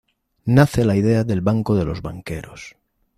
Nace la idea del banco de los banqueros.